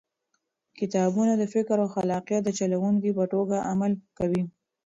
کتابونه د فکر او خلاقیت د چلوونکي په توګه عمل کوي.